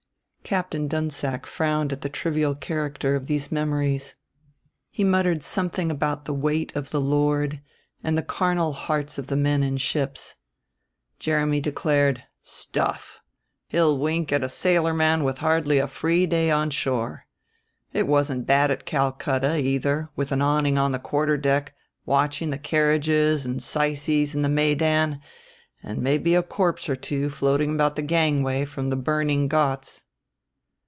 Captain Dunsack frowned at the trivial character of these memories. He muttered something about the weight of the Lord, and the carnal hearts of the men in ships. Jeremy declared, "Stuff! He'll wink at a sailor man with hardly a free day on shore. It wasn't bad at Calcutta, either, with an awning on the quarter deck, watching the carriages and syces in the Maidan and maybe a corpse or two floating about the gangway from the burning ghauts."